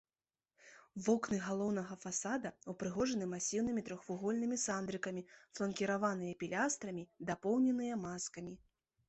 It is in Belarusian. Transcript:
Вокны галоўнага фасада ўпрыгожаны масіўнымі трохвугольнымі сандрыкамі, фланкіраваныя пілястрамі, дапоўненыя маскамі.